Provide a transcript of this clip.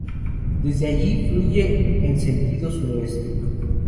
Desde allí fluye en sentido suroeste.